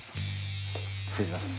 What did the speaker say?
失礼します。